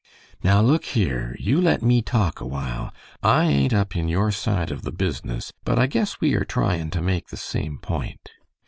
"Now look here. You let me talk awhile. I ain't up in your side of the business, but I guess we are tryin' to make the same point.